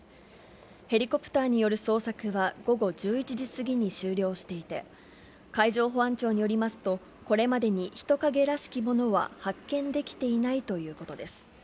ヘリコプターによる捜索は、午後１１時過ぎに終了していて、海上保安庁によりますと、これまでに人影らしきものは発見できていないということです。